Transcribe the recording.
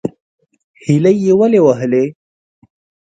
_هيلۍ يې ولې وهلې؟